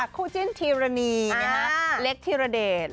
คู่จิ้นทีราณีเล็กทีราเดช